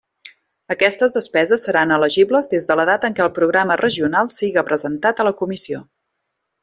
Aquestes despeses seran elegibles des de la data en què el programa regional siga presentat a la Comissió.